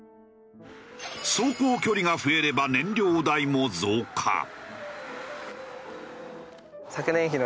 走行距離が増えれば燃料代も増加。